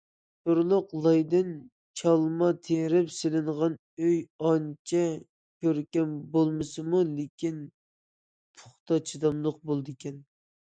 شورلۇق لايدىن چالما تېرىپ سېلىنغان ئۆي ئانچە كۆركەم بولمىسىمۇ، لېكىن پۇختا، چىداملىق بولىدىكەن.